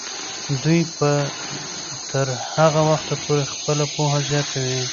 دوی به تر هغه وخته پورې خپله پوهه زیاتوي.